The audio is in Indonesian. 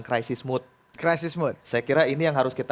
crisis mood saya kira ini yang harus kita